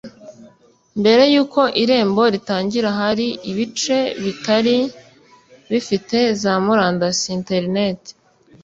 Mbere y’uko Irembo ritangira hari ibice bitari bifite za murandasi (internet)